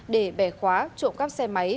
để bẻ khóa trộm cắp xe máy